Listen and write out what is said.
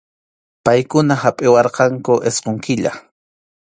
Paykuna hapʼiwarqanku isqun killa.